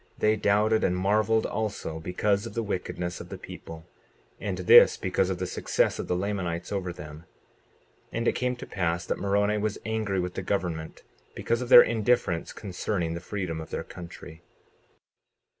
They doubted and marveled also because of the wickedness of the people, and this because of the success of the Lamanites over them. 59:13 And it came to pass that Moroni was angry with the government, because of their indifference concerning the freedom of their country.